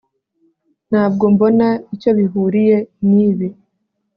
Ntabwo mbona icyo bihuriye nibi